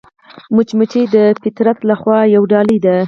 مچمچۍ د فطرت له خوا یوه ډالۍ ده